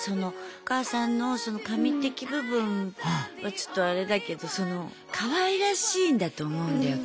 お母さんのその神的部分はちょっとあれだけどかわいらしいんだと思うんだよ